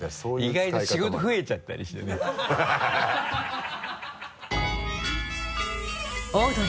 意外と仕事増えちゃったりしてねハハハ